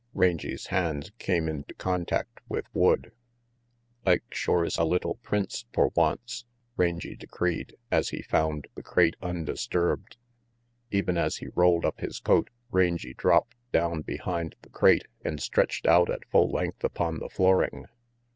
Rangy's hands came into contact with wood. "Ike shore is a little prince for once," Rangy decreed, as he found the crate undisturbed. Even as he rolled up his coat, Rangy dropped down behind the crate and stretched out at full length upon the flooring.